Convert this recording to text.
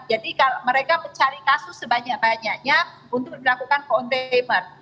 jadi mereka mencari kasus sebanyak banyaknya untuk dilakukan containment